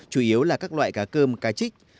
chủ yếu là các loại cá cơm cá chích